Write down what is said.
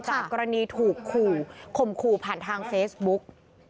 กรณีถูกขู่ข่มขู่ผ่านทางเฟซบุ๊ก